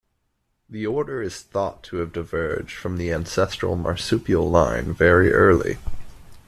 The order is thought to have diverged from the ancestral marsupial line very early.